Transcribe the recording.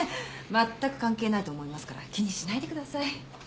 全く関係ないと思いますから気にしないでください。